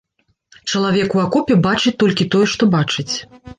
Чалавек у акопе бачыць толькі тое, што бачыць.